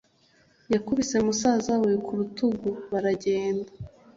Yakubise musaza we ku rutugu baragenda.